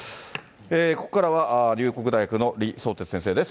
ここからは、龍谷大学の李相哲先生です。